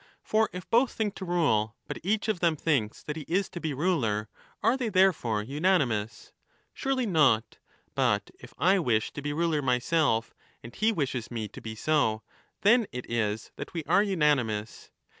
For if both think to rule, but each of them thinks that he is to be ruler, are they there fore unanimous ? Surely not. But if I wish to be ruler myself, and he wishes me to be so, then it is that we are unanimous.